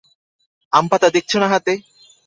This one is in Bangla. আমপাতা দেখছ না হাতে?